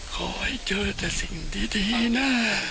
ขอให้เจอแต่สิ่งดีนะ